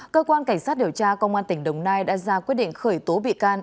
cơ quan cảnh sát điều tra công an tỉnh đồng nai đã ra quyết định khởi tố bị can